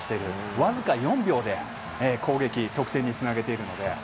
わずか４秒で攻撃、得点に繋げていくので。